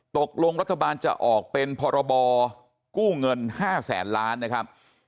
ตกลงรัฐบาลจะออกเป็นพรบกู้เงิน๕แสนล้านนะครับ